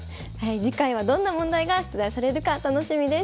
次回はどんな問題が出題されるか楽しみです。